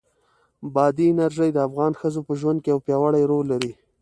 بادي انرژي د افغان ښځو په ژوند کې یو پیاوړی رول لري.